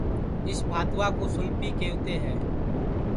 اِس بھاتوا کُو سُولپی کیہوتے ہے